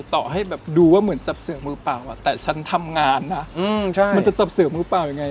ต่อให้แบบดูว่าเหมือนจับเสือมือเปล่าแต่ฉันทำงานนะมันจะจับเสือมือเปล่ายังไง